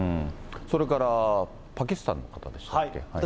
それからパキスタンの方でしたっけ？